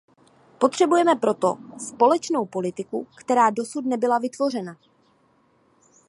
Potřebujeme proto společnou politiku, která dosud nebyla vytvořena.